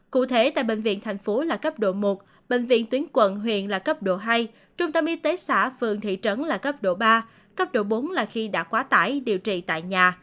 cụ thể tại bệnh viện thành phố là cấp độ một bệnh viện tuyến quận huyện là cấp độ hai trung tâm y tế xã phường thị trấn là cấp độ ba cấp độ bốn là khi đã quá tải điều trị tại nhà